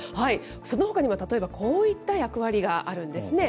そのほかには例えばこういった役割があるんですね。